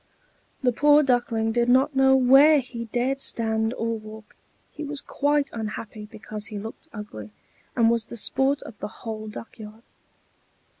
The poor Duckling did not know where he dared stand or walk; he was quite unhappy because he looked ugly, and was the sport of the whole duck yard.